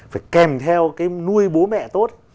phải kèm theo cái nuôi bố mẹ tốt